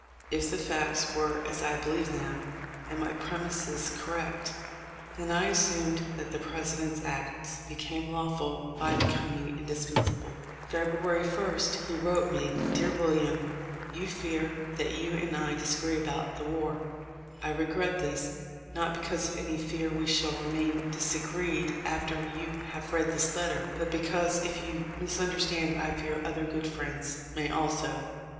If the facts were as I believed them, and my premises correct, then I assumed that the President's acts became lawful by becoming indis pensable. THE LIFE OF LINCOLN. 281 February 1 he wrote me, ''Dear William : You fear that you and I disagree about the war. I re gret this, not because of any fear we shall remain disagreed after you have read this letter, but because if you misunderstand I fear other good friends may also."